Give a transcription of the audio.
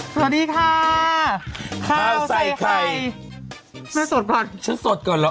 สวัสดีค่ะข้าวใส่ไข่เสื้อสดผ่านฉันสดก่อนเหรอ